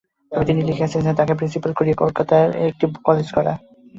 তবে তিনি লিখিয়াছেন যে, তাকে প্রিন্সিপাল করে কলিকাতায় একটা কলেজ করা।